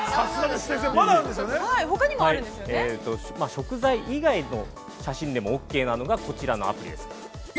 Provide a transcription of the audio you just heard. ◆食材以外の写真でもオーケーなのがこちらのアプリです。